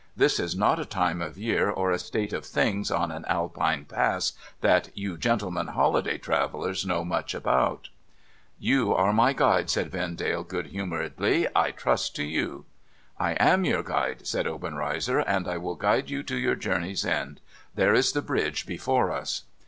' This is not a time of year, or a state of things, on an Alpine Pass, that you gentlemen holiday travellers know much about.' DANGERS THICKEN 549 ' You are my Guide,' said Vendale, good humouredly. ' I trust to you.' ' I am your Guide,' said Obenreizer, * and I will guide you to your journey's end. There is the Bridge before us.'